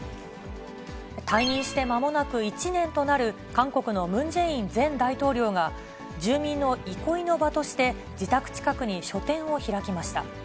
退任してまもなく１年となる韓国のムン・ジェイン前大統領が、住民の憩いの場として、自宅近くに書店を開きました。